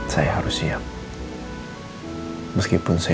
tidak ada yang bisa dikira